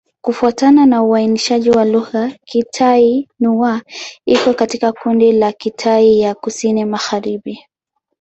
Kufuatana na uainishaji wa lugha, Kitai-Nüa iko katika kundi la Kitai ya Kusini-Magharibi.